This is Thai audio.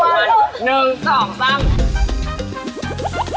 ทอดไงตัว